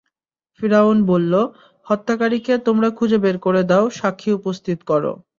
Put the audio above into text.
ফিরআউন বলল, হত্যাকারীকে তোমরা খুঁজে বের করে দাও, সাক্ষী উপস্থিত করো।